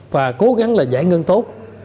và cố gắng là giải ngân tốt